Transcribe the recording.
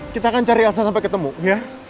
kita akan cari aksa sampai ketemu ya